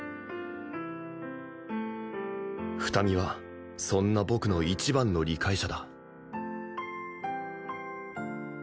二美はそんな僕の一番の理解者だ